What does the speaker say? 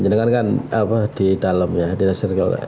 dengan kan di dalam ya di nasional